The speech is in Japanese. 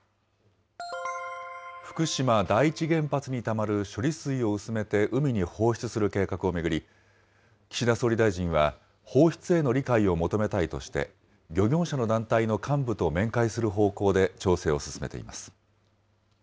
福島第一原発にたまる処理水を薄めて海に放出する計画を巡り、岸田総理大臣は放出への理解を求めたいとして、漁業者の団体の幹部と面会する方向で調整を進めています。